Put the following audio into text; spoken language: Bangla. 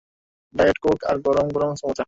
ডায়েট কোক আর গরম গরম সমুচা!